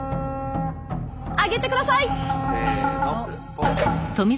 上げてください！せの。